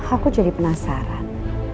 aku jadi penasaran